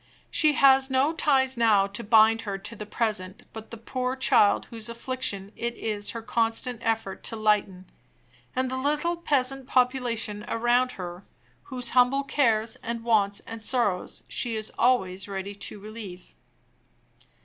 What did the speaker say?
She has no ties now to bind her to the present but the poor child whose affliction it is her constant effort to lighten, and the little peasant population around her, whose humble cares and wants and sorrows she is always ready to relieve.